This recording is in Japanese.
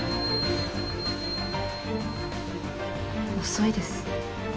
遅いです。